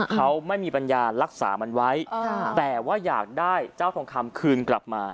เขาไม่มีปัญญารักษามันไว้แต่ว่าอยากได้เจ้าทองคำคืนกลับมา